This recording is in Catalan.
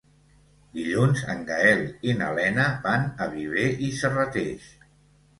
Dilluns en Gaël i na Lena van a Viver i Serrateix.